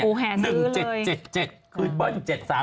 อู๋แห่ซื้อเลยคือเบิ้ล๗๓๗คือเบิ้ล๗๓๗